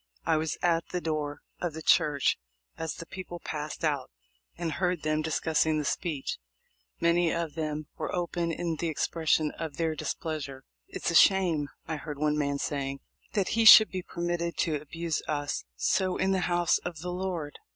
I was at the door of the church as the people passed out, and heard them discussing the speech. Many of them were open in the expression of their displeasure. "It's a shame," I heard one man say, "that he should be permitted to abuse us so in the house of the Lord."